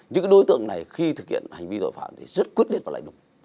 những cái đối tượng này khi thực hiện hành vi tội phạm thì rất quyết định và lại đúng